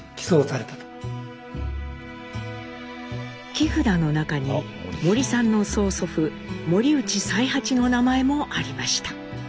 木札の中に森さんの曽祖父森内才八の名前もありました。